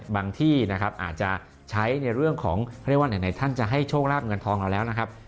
ที่นะครับอาจจะใช้ในเรื่องของเขาเรียกว่าไหนท่านจะให้โชคลาบเงินทองเราแล้วนะครับ